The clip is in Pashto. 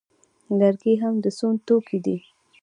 لرګي هم د سون توکي دي